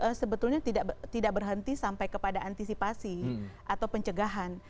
ini sebetulnya tidak berhenti sampai kepada antisipasi atau pencegahan